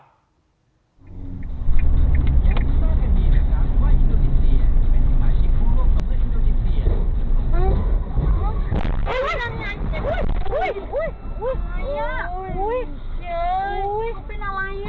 รถ